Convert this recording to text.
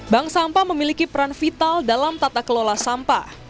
bank sampah memiliki peran vital dalam tata kelola sampah